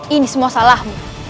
ini semua salahmu